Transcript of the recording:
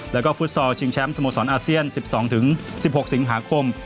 แล้วก็ฟุตซอลชิงแชมป์สโมสรอาเซียน๑๒๑๖สิงหาคม